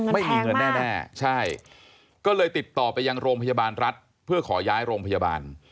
ไม่มีเงินแน่ใช่ก็เลยติดต่อไปยังโรงพยาบาลรัฐเพื่อขอย้ายโรงพยาบาล